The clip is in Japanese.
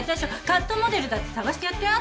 カットモデルだって探してやったよ。